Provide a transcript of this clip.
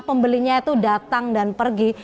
pembelinya itu datang dan pergi